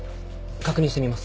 確認してみます。